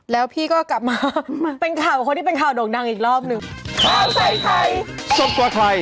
แล้วพี่ก็กลับมาเป็นข่าวคนที่เป็นข่าวโด่งดังอีกรอบหนึ่ง